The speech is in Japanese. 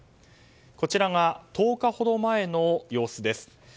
こちらが１０日ほど前の様子です。